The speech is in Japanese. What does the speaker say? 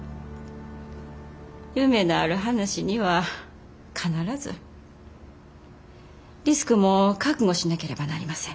夢のある話には必ずリスクも覚悟しなければなりません。